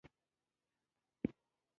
خو تاسو په كي ننوځئ